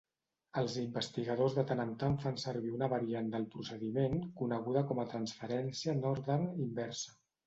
Els investigadors de tant en tant fan servir una variant del procediment coneguda com a transferència Northern inversa.